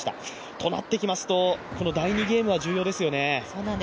となってきますと、この第２ゲーム重要ですよね。